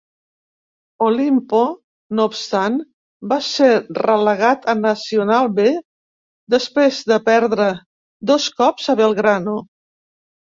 Olimpo, no obstant, va ser relegat a Nacional B després de perdre dos cops a Belgrano.